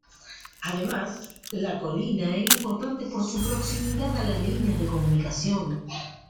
Además, la colina era importante por su proximidad a las líneas de comunicación.